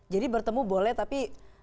jadi bertemu boleh tapi